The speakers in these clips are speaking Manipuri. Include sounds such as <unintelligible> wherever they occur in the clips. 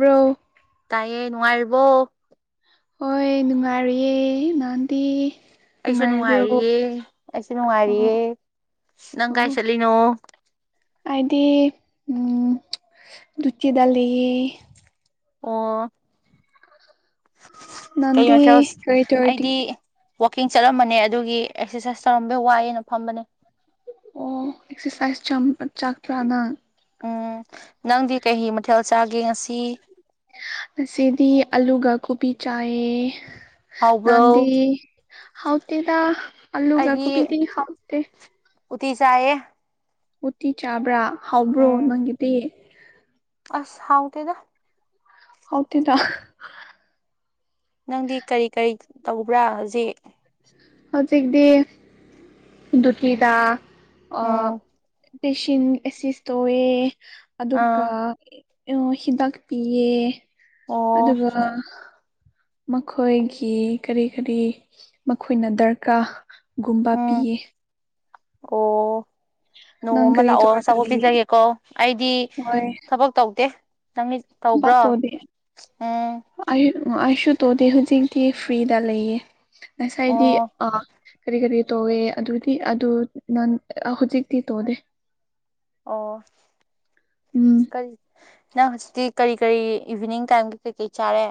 ꯕꯔꯣ ꯇꯥꯏꯌꯦ ꯅꯨꯡꯉꯥꯏꯔꯤꯕꯣ ꯍꯣꯏ ꯅꯨꯡꯉꯥꯏꯔꯤꯌꯦ ꯅꯥꯥꯟꯗꯤ ꯑꯩꯁꯨ ꯅꯨꯡꯉꯥꯏꯔꯤꯌꯦ ꯑꯩꯁꯨ ꯑꯣ ꯅꯨꯡꯉꯥꯏꯔꯤꯌꯦ ꯅꯪ ꯀꯥꯏ ꯑꯣ ꯆꯠꯂꯤꯅꯣ꯫ ꯑꯩꯗꯤ ꯎꯝ ꯗꯨꯆꯤꯗ ꯂꯩꯌꯦ ꯑꯣ ꯀꯩ ꯅꯪꯗꯤ ꯃꯊꯦꯜꯁ ꯀꯔꯤ ꯇꯧꯔꯗꯤ ꯑꯩꯗꯤ ꯋꯥꯛꯀꯤꯡ ꯆꯠꯂꯝꯕꯅꯦ ꯑꯗꯨꯒꯤ ꯑꯦꯛꯁꯔꯁꯥꯏꯁ ꯇꯧꯔꯝꯕꯩ ꯋꯥꯏꯑꯦꯅ ꯐꯝꯕꯅꯦ꯫ ꯑꯣ ꯑꯦꯛꯁꯔꯁꯥꯏꯁ ꯆꯝ ꯄꯠ ꯆꯥꯛꯄ꯭ꯔꯥꯅꯪ꯫ ꯎꯝ ꯅꯪꯗꯤ ꯀꯩ ꯃꯊꯦꯜ ꯆꯥꯒꯦ ꯉꯁꯤ ꯉꯁꯤꯗꯤ ꯑꯂꯨꯒ ꯀꯣꯕꯤ ꯆꯥꯏꯌꯦ꯫ ꯅꯟꯗꯤ ꯍꯥꯎꯕ꯭ꯔꯣ ꯍꯥꯎꯇꯦꯗ ꯑꯜꯂꯨꯒ ꯑꯩꯗꯤ ꯀꯣꯕꯤꯗꯤ ꯍꯥꯎꯇꯦ꯫ ꯎꯇꯤ ꯆꯥꯏꯌꯦ ꯎꯇꯤ ꯆꯥꯕ꯭ꯔꯥ ꯍꯥꯎꯕ꯭ꯔꯣ ꯎꯝ ꯅꯪꯒꯤꯗꯤ꯫ ꯑꯁ ꯍꯥꯎꯇꯦꯗ ꯍꯥꯎꯇꯦꯗ ꯅꯪꯗꯤ ꯀꯔꯤ ꯀꯔꯤ ꯇꯧꯕ꯭ꯔꯥ ꯍꯧꯖꯤꯛ ꯍꯧꯖꯤꯛꯇꯤ ꯗꯨꯇꯤꯗ ꯑ ꯎꯝ ꯄꯦꯁꯤꯟ ꯑꯦꯁꯤꯁ ꯇꯧꯑꯦ ꯑꯗꯨꯒ ꯑꯥ ꯑꯣ ꯍꯤꯗꯥꯛ ꯄꯤꯌꯦ ꯑꯣ ꯑꯗꯨꯒ ꯃꯈꯣꯏꯒꯤ ꯀꯔꯤ ꯀꯔꯤ ꯃꯈꯣꯏꯅ ꯗꯔꯀꯥ ꯒꯨꯝꯕ ꯎꯝ ꯄꯤꯌꯦ ꯑꯣ ꯅꯣꯡꯃ ꯅꯪ ꯑꯃ ꯀꯔꯤ ꯂꯥꯛꯑꯣ ꯇꯧꯔꯒ ꯑꯆꯥꯥꯄꯣꯠ ꯂꯩꯌꯦ ꯄꯤꯖꯒꯦꯀꯣ ꯑꯩꯗꯤ ꯊꯕꯛ ꯇꯧꯗꯦ ꯅꯪꯗꯤ ꯕꯛꯇꯣꯗꯤ ꯑꯩ ꯑꯩꯁꯨ ꯇꯣꯗꯤ ꯍꯧꯖꯤꯛꯇꯤ ꯐ꯭ꯔꯤꯗ ꯂꯩꯌꯦ ꯉꯁꯥꯏꯗꯤ ꯑꯣ ꯑꯥ ꯀꯔꯤ ꯀꯔꯤ ꯇꯧꯋꯦ ꯑꯗꯨꯗꯤ ꯑꯗꯨ ꯅꯟ ꯍꯧꯖꯤꯛꯇꯤ ꯇꯣꯗꯦ ꯑꯣ ꯎꯝ ꯀꯔꯤ ꯅꯪ ꯍꯧꯖꯤꯛꯇꯤ ꯀꯔꯤ ꯀꯔꯤ ꯏꯚꯤꯅꯤꯡ ꯇꯥꯏꯝ ꯀꯩꯀꯩ ꯆꯥꯔꯦ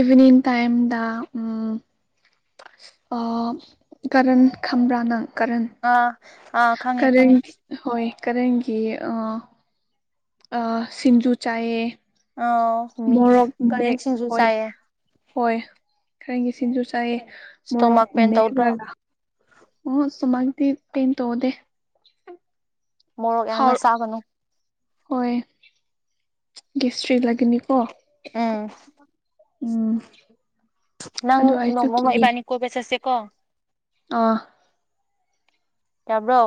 ꯏꯚꯅꯤꯡ ꯇꯥꯏꯝꯗ ꯎꯝ ꯑꯣ ꯀꯔꯟ ꯈꯝꯕ꯭ꯔꯥ ꯅꯪ ꯀꯥꯔꯟ ꯑꯥ ꯑꯥ ꯈꯪꯉꯦ ꯀꯥꯔꯟ ꯈꯪꯉꯦ ꯍꯣꯏ ꯀꯔꯟꯒꯤ ꯑꯥ ꯑꯥ ꯁꯤꯡꯖꯨ ꯆꯥꯏꯌꯦ ꯑꯣ ꯃꯤꯃꯤ ꯃꯣꯔꯣꯛ ꯃꯦꯛ ꯀꯔꯦꯟ ꯁꯤꯡꯖꯨ ꯍꯣꯏ ꯆꯥꯏꯌꯦ ꯍꯣꯏ ꯈꯔꯡꯒꯤꯁꯤꯡꯖꯨ ꯆꯥꯏꯌꯦ ꯃꯣꯔꯣꯛ ꯏꯁꯇꯣꯃꯛ ꯄꯦꯟ ꯇꯧꯗ꯭ꯔꯣ ꯃꯦꯠꯔꯒ ꯑꯣ ꯁꯨꯃꯥꯏꯟꯇꯤ ꯄꯦꯟ ꯇꯧꯗꯦ ꯃꯣꯔꯣꯛ ꯌꯥꯝꯅ ꯍꯥꯎ ꯆꯥꯒꯅꯨ ꯍꯣꯏ ꯒꯦꯁꯇꯔꯤꯂꯩꯒꯅꯤꯀꯣ ꯎꯝ ꯎꯝ ꯅꯪ ꯑꯗꯨ ꯑꯩꯁꯨ ꯅꯣꯡꯃ ꯑꯃꯥ ꯀꯤꯌꯦ ꯏꯕꯥꯅꯤ ꯀꯣꯏꯕ ꯆꯠꯁꯦꯀꯣ ꯑꯥ ꯌꯥꯕ꯭ꯔꯣ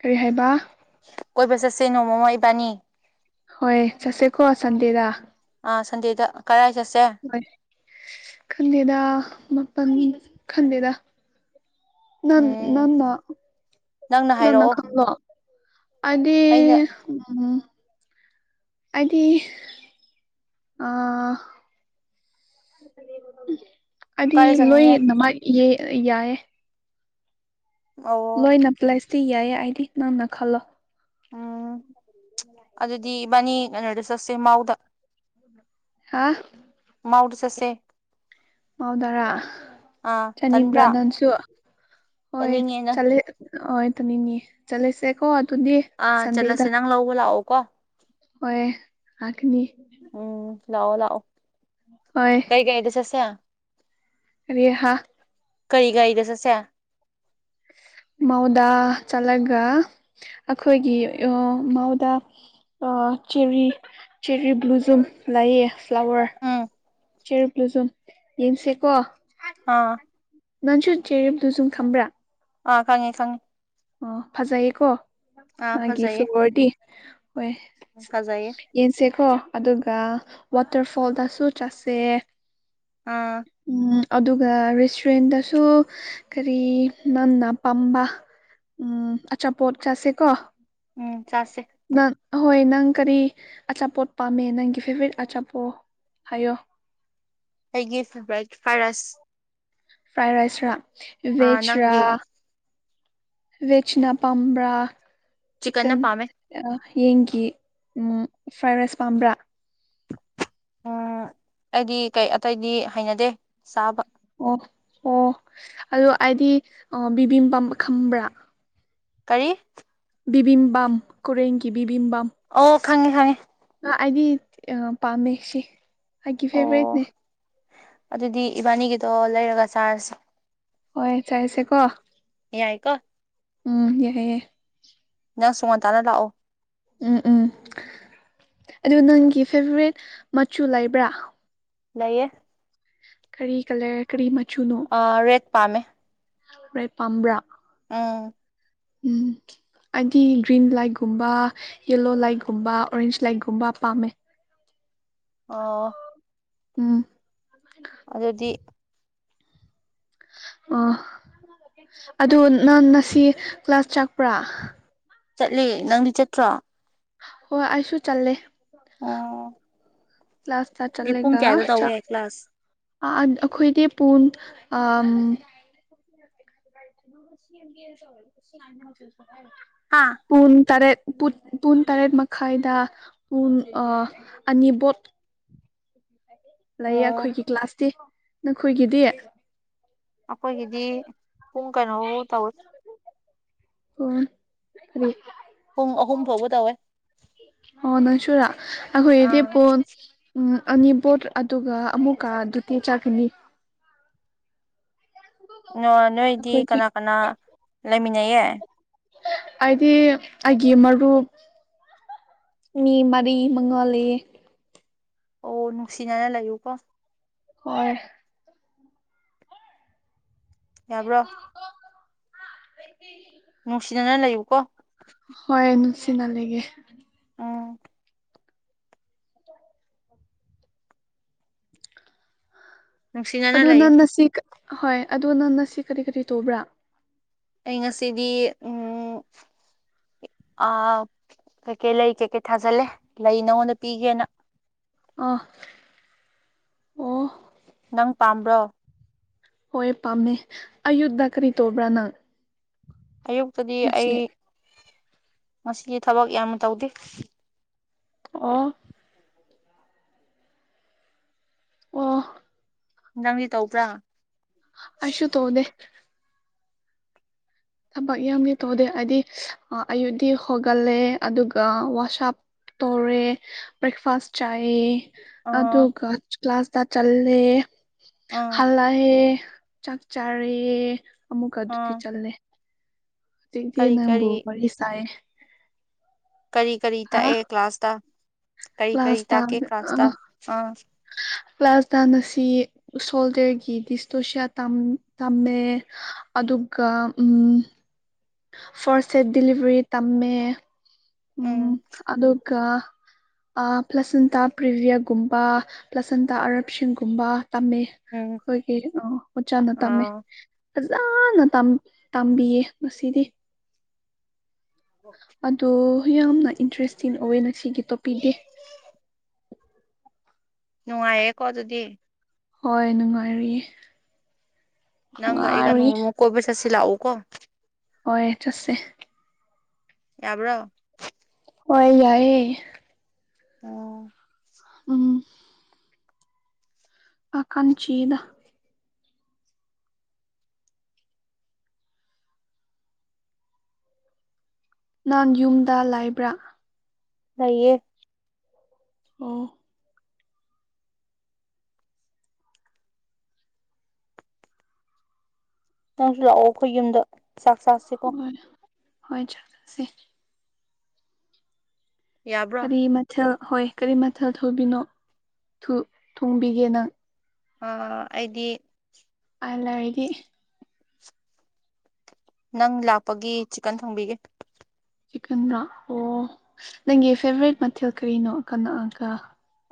ꯀꯔꯤ ꯍꯥꯏꯕ ꯀꯣꯏꯕ ꯆꯠꯁꯦ ꯅꯣꯡꯃ ꯑꯃ ꯏꯕꯥꯅꯤ ꯍꯣꯏ ꯆꯠꯁꯦꯀꯣ ꯁꯟꯗꯦꯗ ꯑꯥ ꯁꯟꯗꯦꯗ ꯀꯔꯥꯏ ꯆꯠꯁꯦ ꯍꯣꯏ ꯈꯟꯗꯦꯗ ꯃꯐꯝ ꯈꯟꯗꯦꯗ ꯅꯟ ꯎꯝ ꯅꯪꯅꯥ ꯅꯪꯅ ꯅꯪꯅꯥ ꯍꯥꯏꯔꯛꯑꯣ ꯈꯟꯂꯣ ꯑꯗꯤ ꯑꯩꯅ ꯎꯝ ꯑꯩꯗꯤ ꯑꯥ ꯑꯩꯗꯤ ꯀꯥꯏꯗ ꯆꯠꯅꯤꯡꯉꯦ ꯂꯣꯏꯅꯃꯛ ꯌꯥꯏꯌꯦ ꯑꯣ ꯂꯣꯏꯅ ꯄ꯭ꯂꯁꯇꯤ ꯌꯥꯏꯌꯦ ꯑꯩꯗꯤ ꯅꯪꯅ ꯈꯜꯂꯣ ꯎꯝ ꯑꯗꯨꯗꯤ ꯏꯕꯥꯅꯤ ꯀꯩꯅꯣꯗ ꯆꯠꯁꯦ ꯃꯥꯎꯗ ꯍꯥꯥ ꯃꯥꯎꯗꯥ ꯆꯠꯁꯦ ꯃꯥꯎꯗꯔꯥ ꯑꯥ ꯆꯥꯅꯤꯡꯕ꯭ꯔꯥ ꯇꯟꯕ꯭ꯔꯥ ꯅꯪꯁꯨ ꯍꯣꯏ ꯆꯠꯅꯤꯡꯉꯦ ꯅꯪ ꯆꯠꯂꯤ ꯍꯣꯏ ꯑꯗꯨꯅꯤꯅꯤ ꯆꯠꯂꯁꯦ ꯀꯣ ꯑꯗꯨꯨꯗꯤ ꯑꯥ ꯆꯠꯂꯁꯦ ꯅꯪ ꯂꯧꯕ ꯂꯥꯛꯑꯣ ꯀꯣ ꯍꯣꯏ ꯂꯥꯛꯀꯅꯤ ꯎꯝ ꯂꯥꯛꯑꯣ ꯂꯥꯛꯑꯣ ꯍꯣꯏ ꯀꯩ ꯒꯥꯔꯤꯗ ꯆꯠꯁꯦ ꯔꯤ ꯍꯥ ꯀꯔꯤ ꯒꯥꯔꯤꯗ ꯆꯠꯁꯦ ꯃꯥꯎꯗ ꯆꯠꯂꯒ ꯑꯩꯈꯣꯏꯒꯤ ꯃꯥꯎꯗ ꯆꯦꯔꯤ ꯆꯦꯔꯤ ꯕꯂꯨꯖꯨꯝ ꯂꯩꯌꯦ ꯐ꯭ꯂꯥꯋꯔ ꯎꯝ ꯆꯦꯔꯤ ꯕꯂꯨꯖꯨꯝ ꯌꯦꯡꯁꯦꯀꯣ ꯑꯥ ꯅꯪꯁꯨ ꯆꯦꯔꯤ ꯕꯂꯨꯖꯨꯝ ꯈꯪꯕꯔ ꯑ ꯈꯪꯉꯤ ꯈꯪꯉꯤ ꯑꯣ ꯐꯖꯩꯌꯦꯀꯣ ꯑꯥ ꯃꯥꯒꯤ ꯐꯖꯩꯌꯦ ꯐꯂꯋꯔꯗꯤ ꯍꯣꯏ ꯐꯖꯩꯌꯦ ꯌꯦꯡꯁꯦꯀꯣ ꯑꯗꯨꯒ ꯋꯥꯇꯔꯐꯣꯜꯗꯁꯨ ꯆꯠꯁꯦ ꯑꯥ ꯎꯝ ꯑꯗꯨꯒ ꯔꯦꯁꯇꯨꯔꯦꯟꯗꯁꯨ ꯀꯔꯤ ꯅꯪꯅ ꯄꯥꯝꯕ ꯎꯝ ꯑꯆꯥꯄꯣꯠ ꯆꯥꯁꯦꯀꯣ ꯎꯝ ꯆꯥꯁꯦ ꯅꯪ ꯍꯣꯏ ꯅꯪ ꯀꯔꯤ ꯑꯆꯥꯄꯣꯠ ꯄꯥꯝꯃꯦ ꯅꯪꯒꯤ ꯐꯦꯚꯣꯔꯥꯏꯠ ꯑꯆꯥꯄꯣꯠ ꯍꯥꯏꯌꯣ ꯑꯩꯒꯤ ꯐꯦꯕꯔꯥꯏꯠ ꯐꯔꯥꯏꯗ ꯔꯥꯏꯁ ꯐ꯭ꯔꯥꯏꯗ ꯔꯥꯏꯁꯔ ꯑꯥ ꯕꯦꯖꯔ ꯅꯪꯗꯤ ꯕꯦꯖꯅ ꯄꯥꯝꯕ꯭ꯔ ꯆꯤꯛꯀꯟꯅ ꯆꯤꯀꯟ ꯄꯥꯝꯃꯦ ꯌꯦꯟꯒꯤ ꯎꯝ ꯐ꯭ꯔꯥꯏꯗ ꯔꯥꯏꯁ ꯄꯥꯝꯕ꯭ꯔ ꯎꯝ ꯑꯩꯗꯤ ꯀꯩ ꯑꯇꯩꯗꯤ ꯍꯩꯅꯗꯦ ꯆꯥꯕ ꯑꯣ ꯑꯣ ꯑꯗꯣ ꯑꯩꯗꯤ ꯕꯤꯕꯤ ꯕꯥꯝ ꯈꯡꯕ꯭ꯔ ꯀꯔꯤ ꯕꯤꯕꯤꯕꯥꯝ ꯀꯣꯔꯤꯌꯥꯟꯒꯤ ꯕꯤꯕꯤꯕꯥꯝ ꯑꯣ ꯈꯪꯉꯦ ꯈꯪꯉꯦ ꯑꯩꯗꯤ ꯄꯥꯝꯃꯦ ꯁꯤ ꯑꯩꯒꯤ ꯑꯣ ꯐꯦꯚꯣꯔꯥꯏꯠꯅꯦ ꯑꯗꯨꯗꯤ ꯏꯕꯥꯅꯤꯒꯤꯗꯣ ꯂꯩꯔꯒ ꯆꯥꯔꯖꯤ ꯍꯣꯏ ꯆꯥꯏꯁꯦ ꯀꯣ ꯌꯥꯏꯀꯣ ꯎꯝ ꯌꯥꯏꯌꯦ ꯌꯥꯏ ꯅꯪꯁꯨ ꯉꯟꯇꯥꯅ ꯂꯥꯛꯑꯣ ꯎꯝ ꯎꯝ ꯑꯗꯨ ꯅꯪꯒꯤ ꯐꯦꯚꯣꯔꯥꯏꯠ ꯃꯆꯨ ꯂꯩꯕ꯭ꯔ ꯂꯩꯌꯦ ꯀꯔꯤ ꯀꯂꯔ ꯀꯔꯤ ꯃꯆꯨꯅꯣ ꯑꯥ ꯔꯦꯠ ꯄꯥꯝꯃꯦ ꯔꯦꯗ ꯄꯥꯝꯕ꯭ꯔ ꯎꯝ ꯎꯝ ꯑꯩꯗꯤ ꯒ꯭ꯔꯤꯟ ꯂꯥꯏꯠꯀꯨꯝꯕ ꯌꯦꯂꯣ ꯂꯥꯏꯠꯒꯨꯝꯕ ꯑꯣꯔꯦꯟꯖ ꯂꯥꯏꯠꯀꯨꯝꯕ ꯄꯥꯝꯃꯦ ꯑꯣ ꯎꯝ ꯑꯗꯨꯗꯤ ꯑꯣ ꯑꯗꯨ ꯅꯪ ꯉꯁꯤ ꯀ꯭ꯂꯥꯁ ꯆꯠꯄ꯭ꯔ ꯆꯠꯂꯤ ꯅꯪꯗꯤ ꯆꯠꯇ꯭ꯔꯣ ꯍꯣꯏ ꯑꯩꯁꯨ ꯆꯠꯂꯦ ꯑꯣ ꯀꯂꯥꯁꯇ ꯗꯤ ꯄꯨꯡ ꯆꯠꯂꯒ ꯀꯌꯥꯗ ꯇꯧꯋꯦ ꯆꯥꯛ ꯀ꯭ꯂꯥꯁ ꯑꯩꯈꯣꯏꯗꯤ ꯄꯨꯡ <unintelligible> ꯍꯥꯥ ꯄꯨꯡ ꯇꯔꯦꯠ ꯄꯨꯡ ꯇꯔꯦꯠ ꯃꯈꯥꯏꯗ ꯄꯨꯡ ꯑꯅꯤꯕꯧ ꯂꯩꯌꯦ ꯑꯣ ꯑꯩꯈꯣꯏꯒꯤꯗꯤ ꯀ꯭ꯂꯥꯁꯇꯤ ꯅꯈꯣꯏꯒꯤꯗꯤ ꯑꯩꯈꯣꯏꯒꯤꯗꯤ ꯄꯨꯡ ꯀꯩꯅꯣꯐꯧ ꯇꯧꯋꯦ ꯎ ꯐ <unintelligible> ꯄꯨꯡ ꯑꯍꯨꯝ ꯐꯥꯎꯕ ꯇꯧꯋꯦ ꯑꯣ ꯅꯆꯨꯔꯥ ꯑꯩꯈꯣꯏ ꯌꯦꯗꯤ ꯑꯥ ꯐꯣꯣꯟ ꯎꯝ ꯑꯅꯤ ꯕꯣꯠ ꯑꯗꯨꯒ ꯑꯃꯨꯛꯀ ꯑꯗꯨꯗꯤ <unintelligible> ꯆꯥꯒꯅꯤ ꯑ ꯅꯣꯏꯗꯤ ꯑꯩꯈꯣꯏꯁꯦ ꯀꯅꯥ ꯀꯅꯥ ꯂꯩꯃꯤꯟꯅꯩꯌꯦ ꯑꯩꯗꯤ ꯑꯩꯒꯤ ꯃꯔꯨꯞ ꯃꯤ ꯃꯔꯤ ꯃꯉꯥꯜꯂꯤ ꯑꯣ ꯅꯨꯡꯁꯤꯅꯅ ꯂꯩꯌꯨ ꯀꯣ ꯍꯔ <unintelligible> ꯌꯥꯕ꯭ꯔꯣ <unintelligible> ꯅꯨꯡꯁꯤꯅꯅ ꯂꯩꯌꯨꯀꯣ ꯍꯣꯏ ꯅꯨꯁꯤꯅ ꯂꯩꯒꯦ ꯎꯝ ꯅꯨꯡꯁꯤꯅꯅ ꯑꯗꯣ ꯂꯩꯌꯨ ꯅꯪꯉꯁꯤ ꯍꯣꯏ ꯑꯗꯣ ꯅꯪꯉꯁꯤ ꯀꯔꯤ ꯀꯔꯤ ꯇꯧꯕ꯭ꯔꯥ ꯑꯩ ꯉꯁꯤꯗꯤ ꯎꯝ ꯑ ꯀꯩꯀꯩ ꯂꯩ ꯀꯩꯀꯩ ꯊꯥꯖꯜꯂꯦ ꯂꯩ ꯅꯉꯣꯟꯗ ꯄꯤꯒꯦꯅ ꯑꯥ ꯑꯣ ꯅꯪ ꯄꯥꯝꯕ꯭ꯔꯣ ꯍꯣꯏ ꯄꯥꯝꯅꯦ ꯑꯌꯨꯡꯗ ꯀꯔꯤ ꯇꯧꯕ꯭ꯔꯥ ꯅꯪ ꯑꯌꯨꯛꯇꯗꯤ ꯉꯁꯤ ꯑꯩ ꯉꯁꯤꯗꯤ ꯊꯕꯛ ꯌꯥꯝ ꯇꯧꯗꯦ ꯑꯣ ꯑꯣ ꯅꯪꯗꯤ ꯇꯧꯗꯔꯥ ꯑꯩꯁꯨꯨ ꯇꯧꯗꯦ ꯊꯕꯛ ꯌꯥꯝꯗꯤ ꯇꯧꯗꯦ ꯍꯥꯏꯗꯤ ꯑꯌꯨꯠꯗꯤ ꯍꯣꯒꯠꯂꯦ ꯑꯗꯨꯒ ꯋꯥꯁꯥꯞ ꯇꯧꯔꯦ ꯕ꯭ꯔꯦꯛꯐꯥꯁ ꯆꯥꯏ ꯑꯥ ꯑꯗꯨꯒ ꯀ꯭ꯂ꯭ꯂꯥꯁꯗ ꯆꯜꯂꯦ ꯑꯥ ꯍꯜ ꯆꯌꯦ ꯆꯥꯛ ꯆꯥꯔꯦ ꯑꯃꯨꯛꯀ ꯑꯗꯨꯗꯤ ꯑꯥ ꯆꯠꯂꯦ ꯍꯨꯖꯤꯡꯛꯇꯤ ꯀꯔꯤ ꯀꯔꯤ ꯅꯡꯕꯨ ꯋꯥꯔꯤ ꯁꯥꯢ ꯀꯔꯤ ꯀꯔꯤ ꯇꯥꯛꯑꯦ ꯀ꯭ꯂꯥꯁꯇ ꯀꯔꯤ ꯀꯔꯤ ꯇꯥꯛꯀꯦ ꯀ꯭ꯂꯥꯁꯇ ꯑꯥ ꯀ꯭ꯂ꯭ꯥꯁꯇ ꯑꯁꯤ ꯁꯣꯜꯗꯔꯒꯤ ꯗꯤꯁꯇꯣꯁꯤꯌꯥ ꯇꯝꯃꯦ ꯑꯗꯨꯒ ꯐꯥꯔꯁ ꯁꯦꯠ ꯗꯤꯂꯤꯚꯔꯤ ꯇꯝꯃꯦ ꯎꯝ ꯑꯗꯨꯒ ꯑꯩ ꯄ꯭ꯂꯁꯟꯇꯥ ꯄ꯭ꯔꯤꯕꯤꯌꯒꯨꯝꯕ ꯄ꯭ꯂꯁꯟꯇꯥ ꯑꯔꯞꯁꯥꯟꯒꯨꯝꯕ ꯇꯝꯃꯦ ꯎꯝ ꯈꯣꯏꯒꯤ ꯑꯣ ꯑꯣꯖꯥꯅ ꯇꯝꯃꯦ ꯑꯥ ꯐꯖꯅ ꯇꯝ ꯇꯝꯕꯤꯌꯦ ꯉꯁꯤꯗꯤ ꯑꯗꯣ ꯌꯥꯝꯅ ꯏꯟꯇꯔꯦꯁꯇꯤꯡ ꯑꯣꯏꯑꯦ ꯉꯁꯤꯒꯤ ꯇꯣꯄꯤꯛꯗꯤ ꯅꯨꯡꯉꯥꯏꯌꯦꯀꯣ ꯑꯗꯨꯗꯤ ꯍꯣꯏ ꯅꯨꯡꯉꯥꯏꯔꯤꯌꯦ ꯅꯪꯒ‌ ꯅꯨꯡꯉꯥꯏꯔꯤꯌꯦ ꯑꯩꯒꯅꯣꯡꯃ ꯀꯣꯏꯕ ꯆꯠꯁꯤ ꯂꯛꯎꯀꯣ ꯍꯣꯏ ꯆꯠꯁꯦ ꯌꯥꯕ꯭ꯔꯣ ꯍꯣꯏ ꯌꯥꯏꯑꯦ ꯑꯣ ꯎꯝ ꯑ <unintelligible> ꯀꯥꯡꯆꯗ ꯅꯪ ꯌꯨꯝꯗ ꯂꯩꯕ꯭ꯔꯥ ꯂꯩꯌꯦ ꯑꯣ ꯅꯪꯁꯨ ꯂꯥꯛꯑꯣ ꯑꯩꯈꯣꯏ ꯌꯨꯝꯗ ꯆꯥꯛ ꯆꯥꯁꯤꯀꯣ ꯍꯣꯏ ꯍꯣꯏ ꯆꯠꯁꯦ ꯌꯥꯕ꯭ꯔꯣ ꯀꯔꯤ ꯃꯊꯦꯜ ꯍꯣꯏ ꯀꯔꯤ ꯃꯊꯜ ꯊꯨꯕꯤꯅꯣ ꯊꯣꯡꯕꯤꯒꯦ ꯅꯪ ꯑꯥ ꯑꯩꯗꯤ ꯑꯩ ꯂꯩꯔꯗꯤ ꯅꯪ ꯂꯥꯛꯄꯒꯤ ꯆꯤꯛꯀꯟ ꯊꯣꯡꯕꯤꯒꯦ ꯆꯤꯛꯀꯟꯔꯥ ꯑꯣ ꯅꯪꯒꯤ ꯐꯦꯚꯣꯔꯥꯏꯠ ꯃꯊꯦꯜ ꯀꯔꯤꯅꯣ ꯀꯅꯥꯒ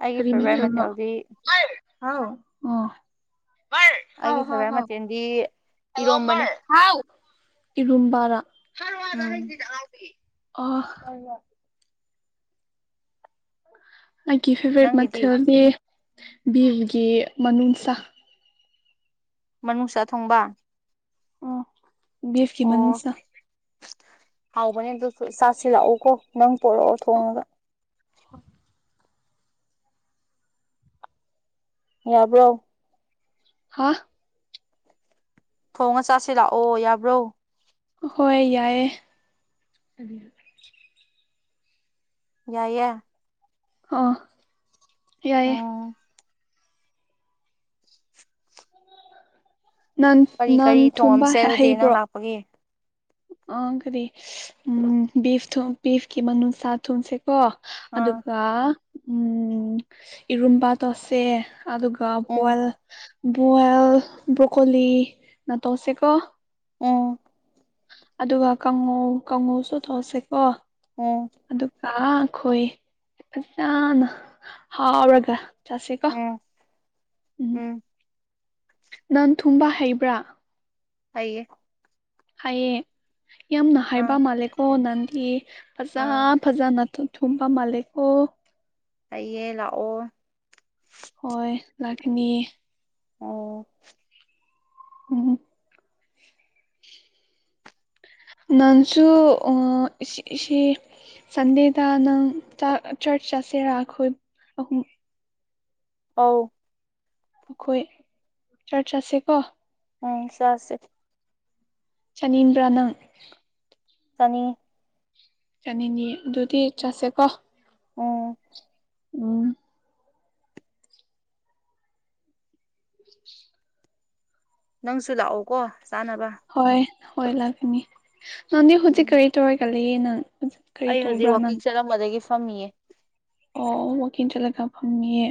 ꯑꯩꯒꯤ ꯀꯔꯤ ꯐꯦꯚꯣꯔꯥꯏꯠ ꯃꯊꯦꯜꯅꯣ ꯃꯊꯦꯜꯗꯤ ꯍꯥꯏ ꯍꯥꯎ ꯑꯣ ꯑꯩꯒꯤ ꯐꯦꯚꯣꯔꯥꯏꯠ ꯃꯊꯦꯜꯗꯤ ꯏꯔꯣꯝꯕꯅꯦ <unintelligible> ꯏꯔꯣꯝꯕꯔꯥ ꯎꯝ ꯑꯣ ꯑꯩꯒꯤ ꯐꯦꯚꯣꯔꯥꯏꯠ ꯅꯪꯒꯤꯗꯤ ꯃꯊꯦꯜꯗꯤ ꯕꯤꯐꯒꯤ ꯃꯅꯨꯡꯁꯥ ꯃꯅꯨꯡꯁꯥ ꯊꯣꯡꯕ ꯑꯣ ꯕꯤꯐꯀꯤ ꯑꯣ ꯃꯅꯨꯡꯁꯥ ꯍꯥꯎꯕꯅꯦ ꯑꯗꯨꯁꯨ ꯆꯥꯁꯤ ꯂꯥꯛꯎꯀꯣ ꯅꯪ ꯄꯣꯔꯛꯑꯣ ꯊꯣꯡꯉꯒ ꯍꯣꯏ ꯌꯥꯕ꯭ꯔꯣ ꯍꯥꯥ ꯊꯣꯡꯉ ꯆꯥꯁ‌ꯦ ꯂꯥꯛꯑꯣ ꯌꯥꯕ꯭ꯔꯣ ꯍꯣꯏ ꯌꯥꯏꯌꯦ ꯌꯥꯏꯌꯦ ꯑꯥ ꯌꯥꯏꯌꯦ ꯎꯝ ꯅꯟ ꯀꯔꯤ ꯅꯟ ꯀꯔꯤ ꯊꯨꯝꯕ ꯊꯣꯡꯉꯝꯁꯦ ꯑꯗꯨꯗꯤ ꯅꯪ ꯍꯩꯕ꯭ꯔꯣ ꯂꯥꯛꯄꯒꯤ ꯑ ꯀꯔꯤ ꯎꯝ ꯕꯤꯐ ꯇꯣ ꯕꯤꯐꯀꯤ ꯃꯅꯨꯡꯁꯥ ꯊꯣꯡꯁꯦ ꯀꯣ ꯑꯥ ꯑꯗꯨꯒ ꯎꯝ ꯏꯔꯨꯝꯕ ꯇꯧꯁꯦ ꯑꯗꯨꯒ ꯎꯝ ꯕꯨ꯭ꯋꯦꯜ ꯕ꯭ꯔꯣꯀꯣꯂꯤꯅ ꯇꯧꯁꯦꯀꯣ ꯎꯝ ꯑꯗꯨꯒ ꯀꯥꯡꯉꯧ ꯀꯥꯡꯉꯥꯎꯁꯨ ꯊꯧꯁꯦꯀꯣ ꯎꯝ ꯑꯗꯨꯒ ꯑꯈꯣꯏ ꯐꯖꯅ ꯍꯥꯎꯔꯒ ꯆꯥꯁꯤꯀꯣ ꯎꯝ ꯎꯝ ꯅꯪ ꯊꯨꯝꯕ ꯍꯩꯕ꯭ꯔꯥ ꯍꯩꯌꯦ ꯍꯩꯌꯦ ꯌꯥꯝꯅ ꯍꯩꯕ ꯑꯥ ꯃꯥꯜꯂꯦꯀꯣ ꯅꯪꯗꯤ ꯐꯖ ꯑꯥ ꯐꯖꯅꯥ ꯊꯨꯝꯕ ꯃꯥꯂꯦꯀꯣ ꯇꯥꯏꯌꯦ ꯂꯥꯛꯑꯣ ꯍꯣꯏ ꯂꯥꯛꯀꯅꯤ ꯑꯣ ꯎꯝ ꯅꯪꯁꯨ ꯑꯝ ꯑꯁꯤ ꯁꯟꯗꯦꯗ ꯅꯪ ꯆꯔꯆ ꯆꯠꯁꯤꯔ ꯑꯩꯈꯣꯏ ꯑꯍꯨꯝ ꯑꯥꯎ ꯑꯩꯈꯣꯏ ꯆꯔꯆ ꯆꯠꯁꯦ ꯀꯣ ꯎꯝ ꯆꯥꯁꯤ ꯆꯅꯤꯡꯕ꯭ꯔꯥ ꯅꯪ ꯆꯥꯅꯤꯡ ꯆꯥꯅꯤꯡꯉꯤ ꯑꯗꯨꯗꯤ ꯆꯥꯁꯦ ꯀꯣ ꯎꯝ ꯎꯝ ꯅꯪꯁꯨ ꯂꯥꯛꯑꯣꯀꯣ ꯆꯥꯅꯕ ꯍꯣꯏ ꯍꯣꯏ ꯂꯥꯛꯀꯅꯤ ꯅꯪꯗꯤ ꯍꯨꯖꯤꯛ ꯎꯝ ꯀꯔꯤ ꯇꯧꯔꯒ ꯂꯩꯌꯦ ꯅꯪ ꯀꯔꯤ ꯑꯩ ꯍꯧꯖꯤꯛ ꯇꯧꯕ꯭ꯔꯥ ꯅꯪ ꯋꯥꯛꯀꯤꯡ ꯆꯠꯂꯝꯕꯗꯒꯤ ꯐꯝꯃꯤꯌꯦ ꯑꯣ ꯋꯥꯀꯤꯡ ꯆꯠꯂꯒ ꯐꯝꯃꯤꯌꯦ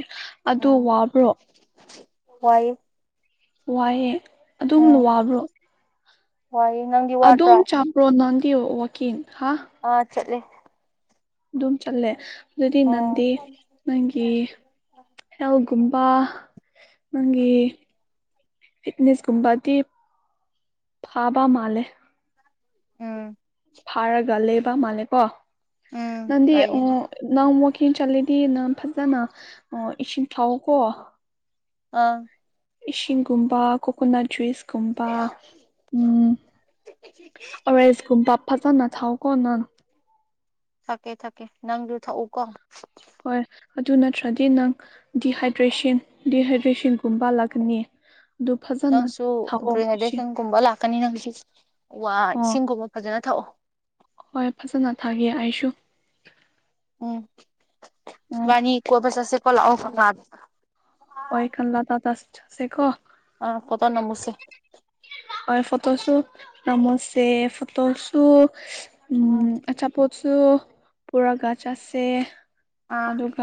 ꯑꯗꯨ ꯎꯝ ꯋꯥꯕ꯭ꯔꯣ ꯋꯥꯏꯌꯦ ꯋꯥꯏꯌꯦ ꯑꯗꯨꯝꯅ ꯎꯝ ꯋꯥꯕ꯭ꯔꯣ ꯋꯥꯏꯌꯦ ꯅꯪꯗꯤ ꯋꯥꯗ꯭ꯔꯣ ꯑꯗꯨꯝ ꯆꯥꯠꯄ꯭ꯔꯣ ꯅꯪꯗꯤ ꯋꯥꯀꯤꯡ ꯍꯥ ꯑꯥ ꯆꯠꯂꯦ ꯑꯗꯨꯝ ꯆꯠꯂꯦ ꯑꯗꯨꯗꯤ ꯎꯝ ꯅꯟꯗꯤ ꯅꯪꯒꯤ ꯍꯦꯜꯒꯨꯝꯕ ꯅꯪꯒꯤ ꯐꯤꯠꯅꯦꯁꯀꯨꯝꯕꯗꯤ ꯐꯥꯕ ꯃꯥꯜꯂꯦ ꯎꯝ ꯐꯥꯔꯒ ꯂꯩꯕ ꯃꯥꯜꯂꯦꯀꯣ ꯎꯝ ꯅꯪꯗꯤ ꯎ ꯂꯩꯌꯦ ꯅꯪ ꯋꯥꯀꯤꯡ ꯆꯠꯂꯗꯤ ꯅꯪ ꯐꯖꯅ ꯏꯁꯤꯡ ꯊꯥꯎ ꯑꯣ ꯀꯣ ꯑꯪ ꯏꯁꯤꯡꯒꯨꯝꯕ ꯀꯣꯀꯣꯅꯠ ꯖꯨꯏꯁꯀꯨꯝꯕ ꯎꯝ ꯑꯣꯋꯥꯔꯦꯁꯀꯨꯝꯕ ꯐꯖꯅ ꯊꯥꯛꯑꯣ ꯀꯣ ꯅꯪ ꯊꯛꯀꯦ ꯊꯛꯀꯦ ꯅꯪꯖꯨ ꯊꯛꯎ ꯀꯣ ꯍꯣꯏ ꯑꯗꯨ ꯅꯠꯇ꯭ꯔꯗꯤ ꯅꯪ ꯗꯤꯍꯥꯏꯗ꯭ꯔꯦꯁꯟ ꯗꯤꯍꯥꯏꯗ꯭ꯔꯦꯁꯟꯀꯨꯝꯕ ꯂꯥꯛꯀꯅꯤ ꯑꯗꯨ ꯐꯖꯅ ꯅꯪꯁꯨ ꯊꯥꯛꯑꯣ ꯏꯁꯤꯡ ꯗ꯭ꯔꯤꯍꯥꯢꯗ꯭ꯔꯦꯁꯟꯒꯨꯝꯕ ꯂꯥꯛꯀꯅꯤ ꯅꯪꯁꯨ ꯋꯥ ꯑꯣ ꯏꯁꯤꯡꯒꯨꯝꯕ ꯐꯖꯅ ꯊꯛꯑꯣ ꯍꯣꯏ ꯐꯖꯅ ꯊꯛꯒꯦ ꯑꯩꯁꯨ ꯎꯝ ꯑꯣ ꯏꯕꯥꯅꯤ ꯀꯣꯏꯕ ꯆꯠꯁꯦ ꯀꯣ ꯂꯥꯛ ꯑꯣ ꯀꯪꯂꯥ ꯍꯣꯏ ꯀꯜꯂꯥ <unintelligible> ꯁꯦꯀꯣ ꯑꯥ ꯐꯣꯇꯣ ꯅꯝꯃꯨꯁꯦ ꯍꯣꯢ ꯐꯣꯇꯣ ꯁꯨ ꯅꯝꯃꯨꯁꯦ ꯐꯣꯇꯣ ꯁꯨ ꯎꯝ ꯑꯆꯥꯄꯣꯠꯁꯨꯨ ꯄꯨꯔꯥꯒ ꯆꯠꯁꯦ ꯑꯥ ꯑꯗꯨꯒ